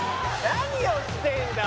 何をしてんだ？